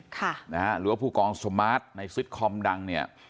หรือว่าผู้กองสมาร์ทในซิตคอมดังเนี่ย